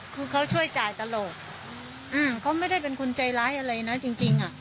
คือเขาช่วยจ่ายตลกเขาไม่ได้เป็นคนใจร้ายอะไรนะจริง